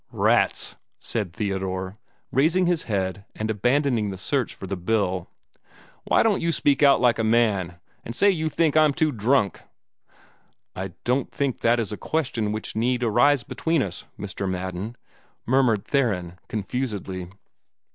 "Rats!" said Theodore, raising his head, and abandoning the search for the bill. "Why don't you speak out like a man, and say you think I'm too drunk?" "I don't think that is a question which need arise between us, Mr. Madden," murmured Theron, confusedly.